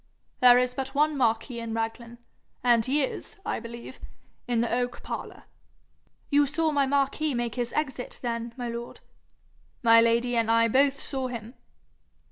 There is but one marquis in Raglan, and he is, I believe, in the oak parlour.' 'You saw my Marquis make his exit then, my lord?' 'My lady and I both saw him.'